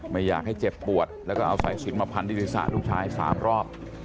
ไม่อยากให้เจ็บปวดแล้วก็เอาสายสินมาพันที่ศีรษะลูกชาย๓รอบ